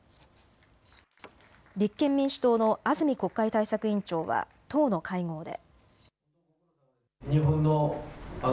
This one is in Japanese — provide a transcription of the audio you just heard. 立憲民主党の安住国会対策委員長は党の会合で。